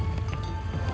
ada yang menyokongku